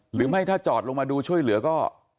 หรือไม่ถ้าจอดลงมาดูช่วยเหลือก็